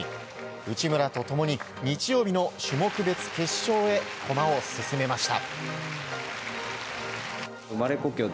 内村と共に日曜日の種目別決勝に駒を進めました。